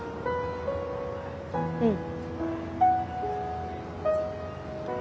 うん。